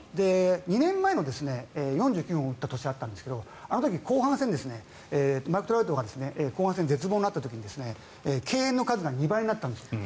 ２年前の４９本打った年あったんですがあの時、後半戦でマイク・トラウトが後半戦、絶望になった時に敬遠の数が２倍になったんです。